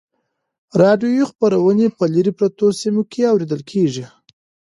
راډیویي خپرونې په لیرې پرتو سیمو کې اورېدل کیږي.